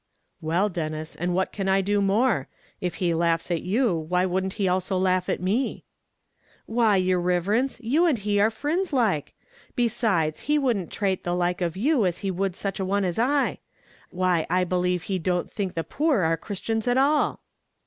"Well, Denis, and what can I do more; if he laughs at you, why wouldn't he also laugh at me?" "Why, yer riverence, you and he are frinds like; besides, he wouldn't trate the like of you as he would such a one as I; why I believe he don't think the poor are Christians at all."